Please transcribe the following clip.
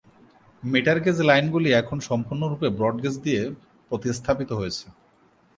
Metre gauge লাইনগুলি এখন সম্পূর্ণরূপে ব্রডগেজ দিয়ে প্রতিস্থাপিত হয়েছে।